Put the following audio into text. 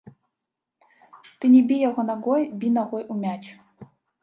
Ты не бі яго нагой, бі нагой у мяч.